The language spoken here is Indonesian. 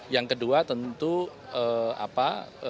yang kedua tentu apa